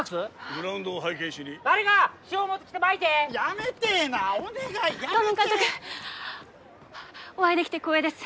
グラウンドを拝見しに誰か塩持ってきてまいてやめてえなお願いやめて賀門監督お会いできて光栄です